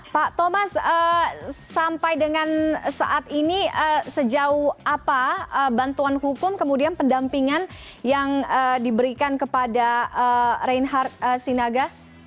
pak thomas sampai dengan saat ini sejauh apa bantuan hukum kemudian pendampingan yang diberikan kepada reinhardt sinaga